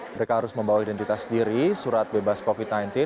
mereka harus membawa identitas diri surat bebas covid sembilan belas